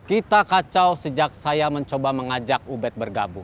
kita kacau sejak saya mencoba mengajak ubed bergabung